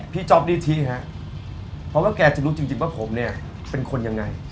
จ๊อปนิธิฮะเพราะว่าแกจะรู้จริงว่าผมเนี่ยเป็นคนยังไง